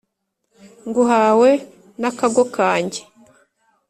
nguhawe n'akago kanjye ,